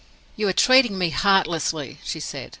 "You are treating me heartlessly," she said.